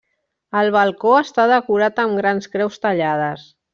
El balcó està decorat amb grans creus tallades.